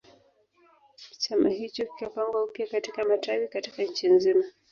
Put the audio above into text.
Chama hicho kikapangwa upya katika matawi katika nchi nzima